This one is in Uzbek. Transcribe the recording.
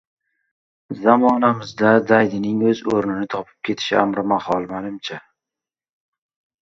Zamonamizda daydining o‘z o‘rnini topib ketishi amrimahol, menimcha.